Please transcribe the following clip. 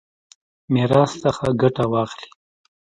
میراث څخه ګټه واخلي.